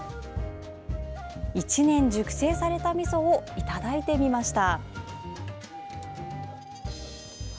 １年熟成されたみそをいただいてみました。